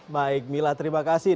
baik mila terima kasih